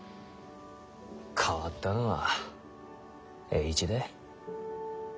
変わったのは栄一だ。